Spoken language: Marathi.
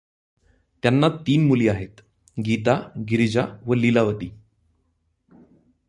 त्यांना तीन मुली आहेत गीता, गिरिजा व लीलावती.